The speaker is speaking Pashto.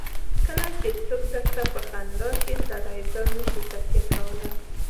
کله چې څوک درته په خندا شي سړی ځان نه شي تکیه کولای.